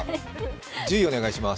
１０位お願いします。